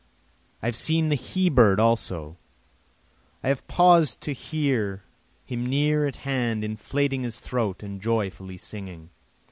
I have seen the he bird also, I have paus'd to hear him near at hand inflating his throat and joyfully singing.